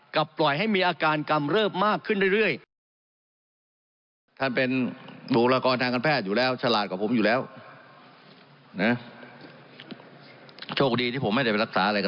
จับปล่อยให้มีอาการกรรมเริ่บขึ้นเรื่อย